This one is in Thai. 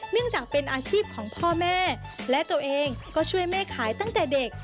เนื่องจากเป็นอาชีพของพ่อแม่และตัวเองก็ช่วยแม่ขายตั้งแต่เด็ก